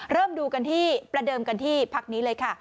เริ่มดูกันที่ประเดิมกันที่พักนี้เลยค่ะ